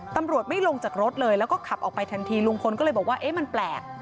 ตำรวจไม่ลงจากรถเลยแล้วก็ขับออกไปทันทีลุงพลก็เลยบอกว่าเอ๊ะมันแปลก